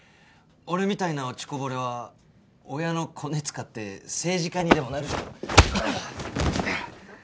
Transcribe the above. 俺みたいな落ちこぼれは親のコネ使って政治家にでもなるしか。